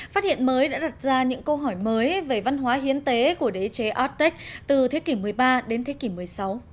phát hiện mới đã đặt ra những câu hỏi mới về văn hóa hiến tế của đế chế ottech từ thế kỷ một mươi ba đến thế kỷ một mươi sáu